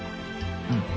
うん。